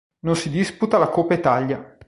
Non si disputa la Coppa Italia.